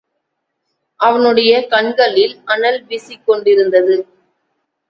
அவனுடைய கண்களில் அனல் வீசிக்கொண்டிருந்தது.